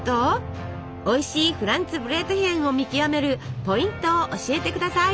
おいしいフランツブレートヒェンを見極めるポイントを教えて下さい！